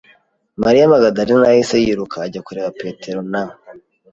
Mariya Magadalena yahise yiruka ajya kureba Petero na